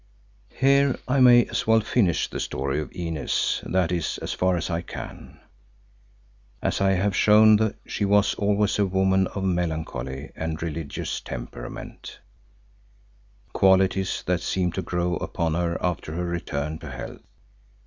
Here I may as well finish the story of Inez, that is, as far as I can. As I have shown she was always a woman of melancholy and religious temperament, qualities that seemed to grow upon her after her return to health.